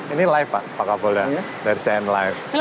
ini live pak kapolda dari cnn live